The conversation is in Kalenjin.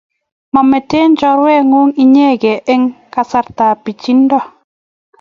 Maameten chorwennyu inekey eng' kasartap pichiindo